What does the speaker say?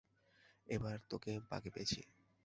এবার তোকে বাগে পেয়েছি।